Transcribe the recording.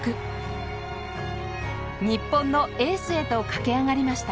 日本のエースへと駆け上がりました。